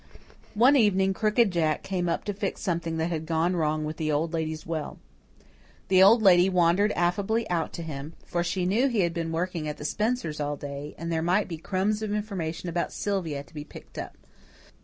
One evening Crooked Jack came up to fix something that had gone wrong with the Old Lady's well. The Old Lady wandered affably out to him; for she knew he had been working at the Spencers' all day, and there might be crumbs of information about Sylvia to be picked up.